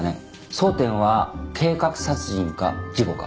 争点は計画殺人か事故か。